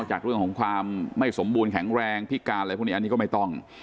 จากเรื่องของความไม่สมบูรณ์แข็งแรงพิการอะไรพวกนี้อันนี้ก็ไม่ต้อง